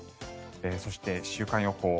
そして、週間予報。